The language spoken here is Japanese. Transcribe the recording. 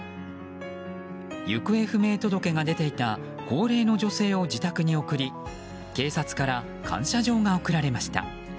行方不明届が出ていた高齢の女性を自宅に送り警察から感謝状が贈られました。